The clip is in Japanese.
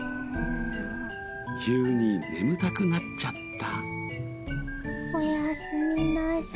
急に眠たくなっちゃった。